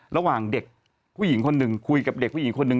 ระหว่างเด็กผู้หญิงคนหนึ่งคุยกับเด็กผู้หญิงคนหนึ่ง